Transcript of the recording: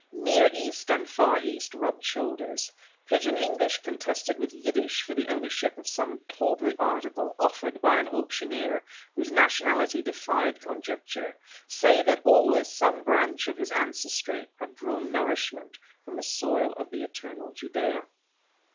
Near East and Far East rubbed shoulders. Pidgin English contested with Yiddish for the ownership of some tawdry article offered by an auctioneer whose nationality defied conjecture, save that always some branch of his ancestry had drawn nourishment from the soil of Eternal Judea.